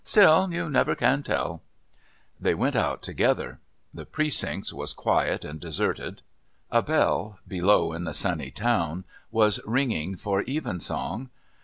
Still you never can tell." They went out together. The Precincts was quiet and deserted; a bell, below in the sunny town, was ringing for Evensong.